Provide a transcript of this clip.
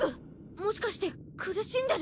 もしかして苦しんでる？